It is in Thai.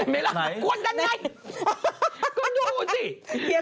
เห็นไหมล่ะกวนกันไงดูสิไหนไหน